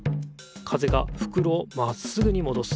風がふくろをまっすぐにもどす。